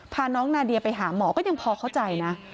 พาน้องนาเดียไปหาหมอก็ยังพอเข้าใจนะ